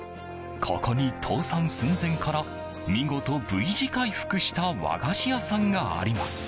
ここに倒産寸前から見事、Ｖ字回復した和菓子屋さんがあります。